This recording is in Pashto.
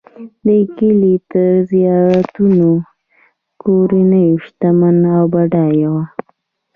د کلي تر زیاتو کورنیو شتمنه او بډایه وه.